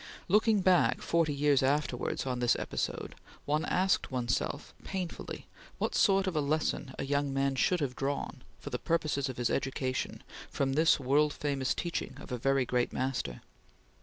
Looking back, forty years afterwards, on this episode, one asked one's self painfully what sort of a lesson a young man should have drawn, for the purposes of his education, from this world famous teaching of a very great master.